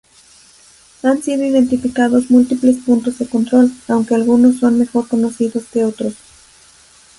Han sido identificados múltiples puntos de control, aunque algunos son mejor conocidos que otros.